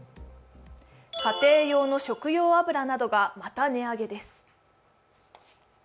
家庭用の食用油などがまた値上げです。